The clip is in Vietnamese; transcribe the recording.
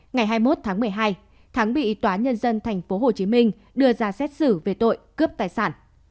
ngày hai mươi một tháng một mươi hai thắng bị tòa nhân dân tp hcm đưa ra xét xử về tội cướp tài sản